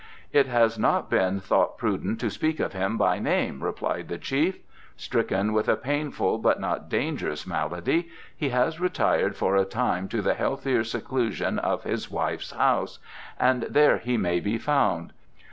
"It has not been thought prudent to speak of him by name," replied the chief. "Stricken with a painful but not dangerous malady he has retired for a time to the healthier seclusion of his wife's house, and there he may be found.